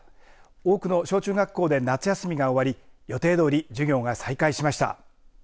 多くの小中学校で夏休みが終わり予定どおり授業が再開しました。